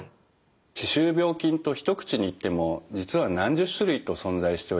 歯周病菌と一口に言っても実は何十種類と存在しております。